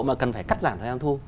mà cần phải cắt giảm thời gian thu